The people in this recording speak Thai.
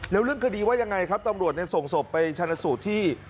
แล้วเรื่องคดีว่ายังไงครับตำรวจส่งศพไปชนะสูตรที่